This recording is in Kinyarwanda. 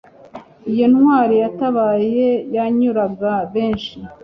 iyo ntwali yatabaye, yanyuraga benshi